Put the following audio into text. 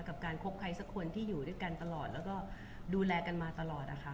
กับการคบใครสักคนที่อยู่ด้วยกันตลอดแล้วก็ดูแลกันมาตลอดนะคะ